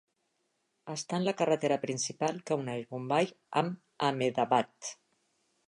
Està en la carretera principal que uneix Bombai amb Ahmedabad.